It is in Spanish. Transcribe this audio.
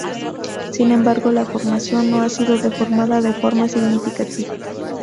Sin embargo, la formación no ha sido deformada de forma significativa.